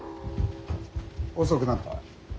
遅くなった。